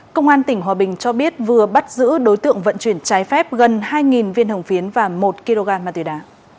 công an tỉnh hòa bình cho biết vừa bắt giữ đối tượng vận chuyển trái phép gần hai viên hồng phiến và một kg ma túy đá